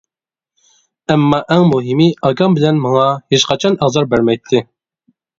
ئەمما ئەڭ مۇھىمى، ئاكام بىلەن ماڭا ھېچقاچان ئازار بەرمەيتتى.